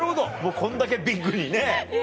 こんだけビッグにね。